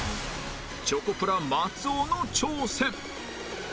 チョコプラ松尾の挑戦